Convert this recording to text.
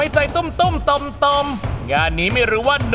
แต่เชี่ยขอเปิดคะแนนคนแรกจาก